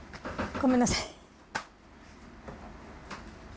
ごめんなさい。